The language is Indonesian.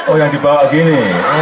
oh yang dibawa gini